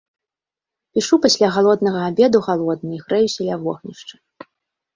Пішу пасля галоднага абеду галодны і грэюся ля вогнішча.